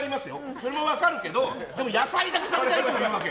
それも分かるけどでも野菜だけ食べたい人もいるわけ！